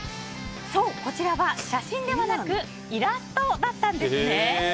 そう、こちらは写真ではなくイラストだったんですね。